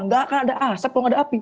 tidak akan ada asap kalau tidak ada api